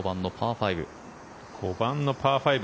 ５番のパー５。